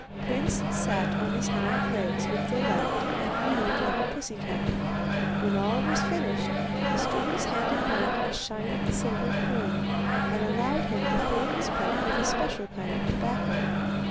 Prince sat on his hind legs with delight and mewed like a pussy cat. When all was finished, the students handed Matte a shining silver coin, and allowed him to fill his pipe with a special kind of tobacco.